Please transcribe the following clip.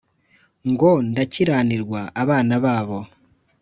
ngo ndakiranirwa abana babo